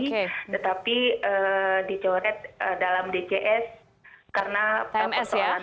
tetapi dicoret dalam dcs karena persoalan